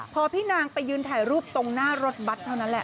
พอพี่นางไปยืนถ่ายรูปตรงหน้ารถบัตรเท่านั้นแหละ